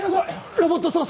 ロボット操作